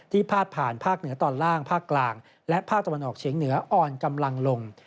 พาดผ่านภาคเหนือตอนล่างภาคกลางและภาคตะวันออกเฉียงเหนืออ่อนกำลังลง